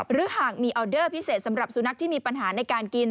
หรือหากมีออเดอร์พิเศษสำหรับสุนัขที่มีปัญหาในการกิน